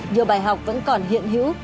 nhiều bài học vẫn còn hiện hữu